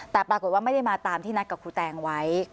แต่ปรากฏว่าไม่ได้มาตามที่นัดกับครูแตงไว้